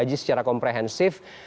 gaji secara komprehensif